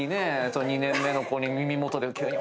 ２年目の子に耳元で急に。